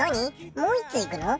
もう一通いくの？